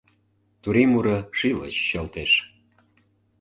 Турий муро шийла чӱчалтеш.